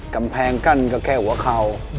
กำแพงกั้นก็แค่หัวเข่า